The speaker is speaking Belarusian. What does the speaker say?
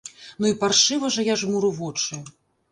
Ну і паршыва жа я жмуру вочы!